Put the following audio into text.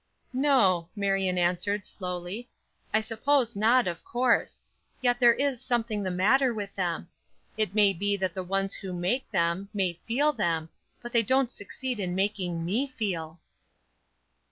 "No," Marion answered, slowly. "I suppose not, of course; yet there is something the matter with them. It may be that the ones who make them, may feel them, but they don't succeed in making me feel."